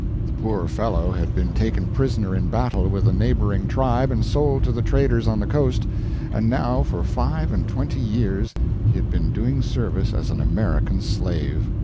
The poor fellow had been taken prisoner in battle with a neighboring tribe and sold to the traders on the coast, and now for five and twenty years he had been doing service as an American slave.